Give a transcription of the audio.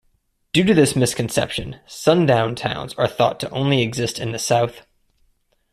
Due to this misconception, sundown towns are thought to only exist in the South.